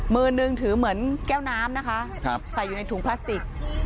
มือนึงถือเหมือนแก้วน้ำนะคะใส่อยู่ในถุงพลาสติก